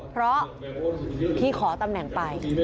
เพราะที่ขอตำแหน่งไป